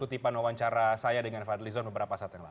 di mewawancara saya dengan fadli sun beberapa saat yang lalu